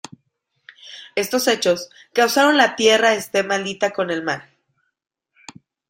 Estos hechos causaron la Tierra este maldita con el mal.